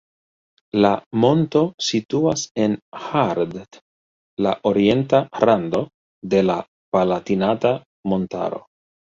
La monto situas en Haardt, la orienta rando de la Palatinata montaro.